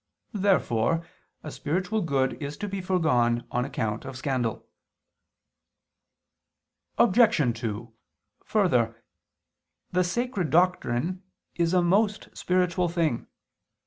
Therefore a spiritual good is to be foregone on account of scandal. Obj. 2: Further, the Sacred Doctrine is a most spiritual thing.